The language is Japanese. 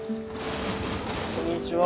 こんにちは